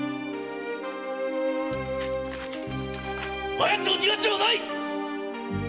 あやつを逃がすではない！